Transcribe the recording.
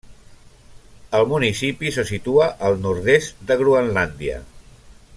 El municipi se situa al nord-est de Groenlàndia.